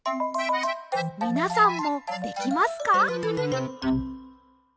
みなさんもできますか？